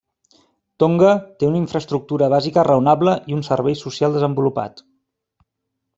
Tonga té una infraestructura bàsica raonable i un servei social desenvolupat.